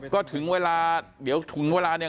ก็ถึงเวลาเดี๋ยวถึงเวลาเนี่ย